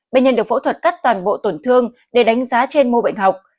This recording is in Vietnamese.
bệnh nhân được phẫu thuật cắt toàn bộ tổn thương để đánh giá trên mô bệnh học